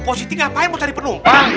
pak siti ngapain mau cari penumpang